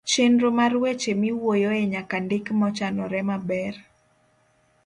chenro mar weche miwuoyoe nyaka ndik mochanore maber.